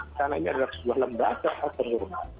misalnya ada sebuah lembaga atau penurunan